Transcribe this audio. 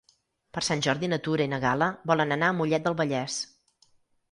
Per Sant Jordi na Tura i na Gal·la volen anar a Mollet del Vallès.